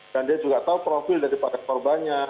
dan dia juga tahu profil dari pasar korbannya